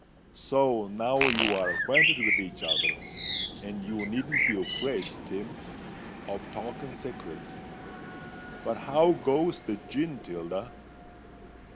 So now you're acquainted with each other; and you needn't be afraid, Tim, of talking secrets. But how goes the gin, Tilda?"